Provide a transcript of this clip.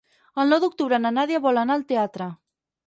El nou d'octubre na Nàdia vol anar al teatre.